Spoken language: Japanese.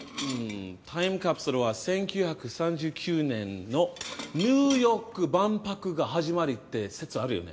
タイムカプセルは１９３９年のニューヨーク万博が始まりって説あるよね。